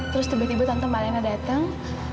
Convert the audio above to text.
terus tiba tiba tante malena datang